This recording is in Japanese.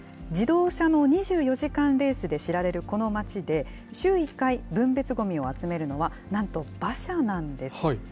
自動車の２４時間レースで知られるこの街で、週１回、分別ごみを集めるのは、なんと馬車なんです。